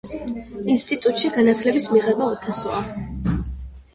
ინსტიტუტში განათლების მიღება უფასოა.